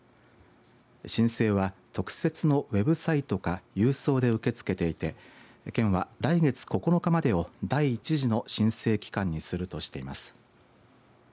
申請は、特設のウェブサイトか郵送で受け付けていて県は来月９日までを第１次の申請期間にするとしています。